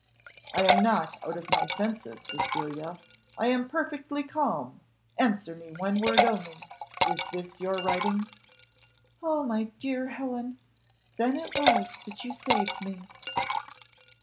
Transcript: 'I am not out of my senses, Cecilia, I am perfectly calm; answer me, one word only is this your writing? Oh! my dear Helen, then it was that you saved me.